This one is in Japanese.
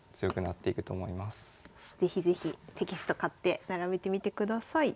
是非是非テキスト買って並べてみてください。